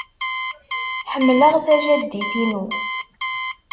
Ḥemmleɣ tajaddit-inu.